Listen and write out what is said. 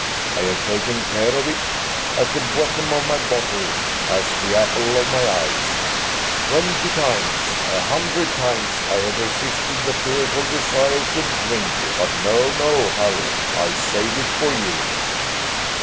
I have taken care of it at the bottom of my bottle as the apple of my eye. Twenty times, a hundred times, I have resisted the fearful desire to drink it. But no no, Harry, I saved it for you."